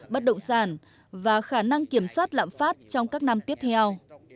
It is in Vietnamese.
bất động sản và khả năng kiểm soát lạm phát trong các năm tiếp theo